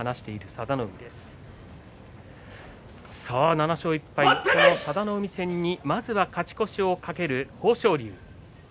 佐田の海戦にまずは勝ち越しを懸ける豊昇龍。